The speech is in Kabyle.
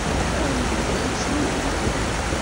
Ɛni la yettru?